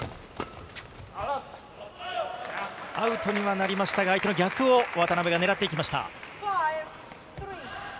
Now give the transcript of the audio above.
アウトにはなりましたが、相手の逆を渡辺がねらっていきました。